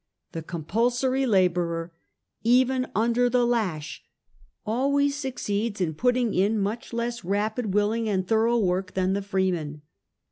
The compulsory labourer, even under the lash, always suc ceeds in putting in mitcli less rapid, willing, and thorough work than the freeman.